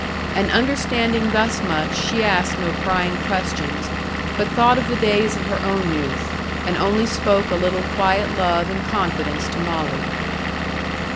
And understanding thus much, she asked no prying questions, but thought of the days of her own youth, and only spoke a little quiet love and confidence to Molly.